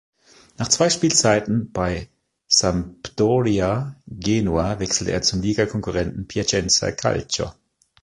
Nach zwei Spielzeiten bei Sampdoria Genua wechselte er zum Ligakonkurrenten Piacenza Calcio.